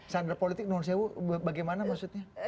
sandra politik non sewu bagaimana maksudnya